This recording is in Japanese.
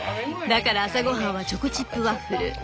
だから朝ごはんはチョコチップワッフル。